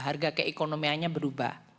harga keekonomianya berubah